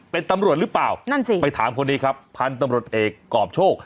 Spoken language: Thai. เป็นตำรวจหรือเปล่านั่นสิไปถามคนนี้ครับพันธุ์ตำรวจเอกกรอบโชค